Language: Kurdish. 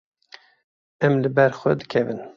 Em li ber xwe dikevin.